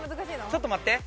ちょっと待って。